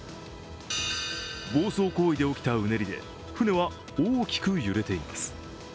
暴走行為で起きたうねりで船は大きく揺れています。